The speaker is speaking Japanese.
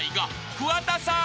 ［桑田さん。